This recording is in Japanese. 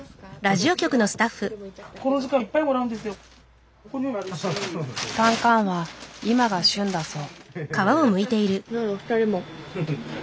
タンカンは今が旬だそう。